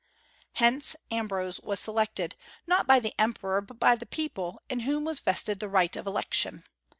Hence Ambrose was selected, not by the emperor but by the people, in whom was vested the right of election.